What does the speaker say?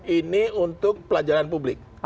ini untuk pelajaran publik